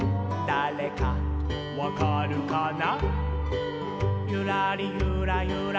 「だれかわかるかな？」